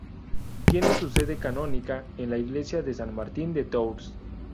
Tiene su sede canónica en la iglesia de San Martín de Tours.